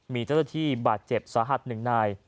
มีเจ้าหน้าที่บาดเจ็บสาหัส๑นาย